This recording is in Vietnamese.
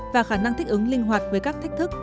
và khả năng thích ứng linh hoạt với các thách thức